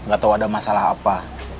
gak tau ada masalah apa